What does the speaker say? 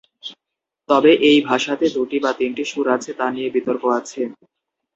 তবে এই ভাষাতে দুটি না তিনটি সুর আছে তা নিয়ে বিতর্ক আছে।